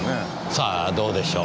さあどうでしょう。